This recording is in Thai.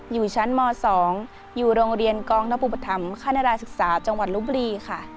อยู่ชั้นม๒อยู่โรงเรียนกองนปุปธรรมคณราศึกษาจังหวัดลบบุรีค่ะ